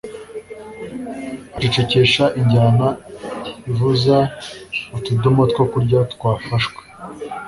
acecekesha injyana ivuza utudomo two kurya twafashwe